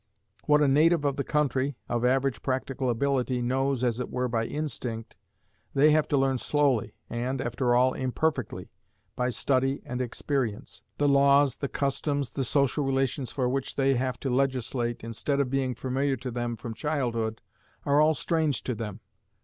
What a native of the country, of average practical ability, knows as it were by instinct, they have to learn slowly, and, after all, imperfectly, by study and experience. The laws, the customs, the social relations for which they have to legislate, instead of being familiar to them from childhood, are all strange to them.